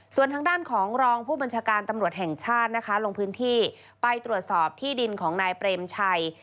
ส่วนทางด้านของรองผู้บัญชาการตำรวจแห่งชาตินะคะลงพื้นที่ไปตรวจสอบที่ดินของนายเปรมชัย